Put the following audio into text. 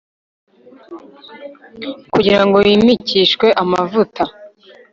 kugirango wimikishwe amavuta